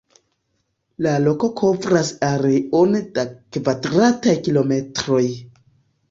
La loko kovras areon de kvadrataj kilometroj.